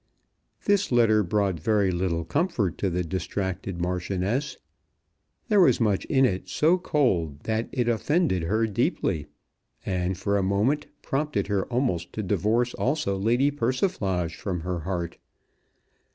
This letter brought very little comfort to the distracted Marchioness. There was much in it so cold that it offended her deeply, and for a moment prompted her almost to divorce also Lady Persiflage from her heart.